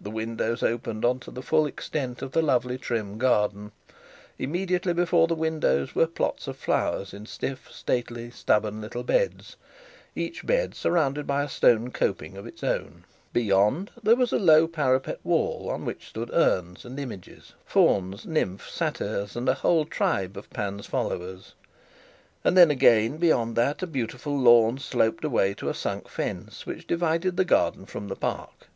The windows opened on to the full extent of the lovely trim garden; immediately before the windows were plots of flowers in stiff, stately, stubborn little beds, each bed surrounded by a stone coping of its own; beyond, there was a low parapet wall, on which stood urns and images, fawns, nymphs, satyrs, and a whole tribe of Pan's followers; and then again, beyond that, a beautiful lawn sloped away to a sunk fence, which divided the garden from the park.